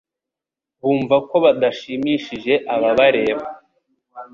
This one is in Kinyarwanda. bumva ko badashimishije ababareba